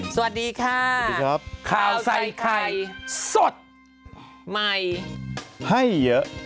สวัสดีค่ะข่าวใส่ไข่สดใหม่ให้เยอะ